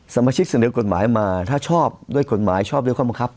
สมาชิกเสนอกฎหมายมาถ้าชอบด้วยกฎหมายชอบด้วยข้อบังคับ